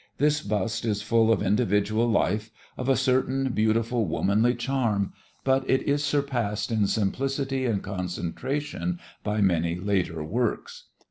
This bust is full of individual life, of a certain beautiful, womanly charm, but it is surpassed in simplicity and concentration by many later works.